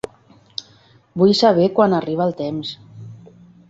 Vull saber quan arriba el temps.